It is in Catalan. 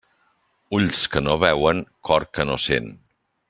Ulls que no veuen, cor que no sent.